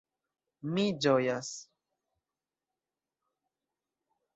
Mi ĝojas.